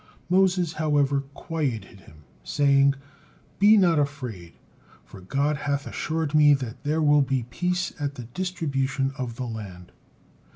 Moses, however, quieted him, saying, "Be not afraid, for God hath assured me that there will be peace at the distribution of the land."